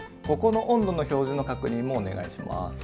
ここの温度の表示の確認もお願いします。